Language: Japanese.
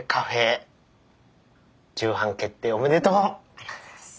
ありがとうございます。